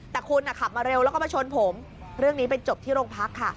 แต่คุณขับมาเร็วแล้วก็มาชนผมเรื่องนี้ไปจบที่โรงพักค่ะ